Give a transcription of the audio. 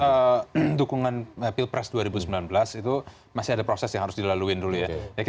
karena dukungan pilpres dua ribu sembilan belas itu masih ada proses yang harus dilalui dulu ya